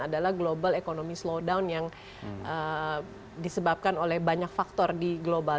adalah global economy slow down yang disebabkan oleh banyak faktor di global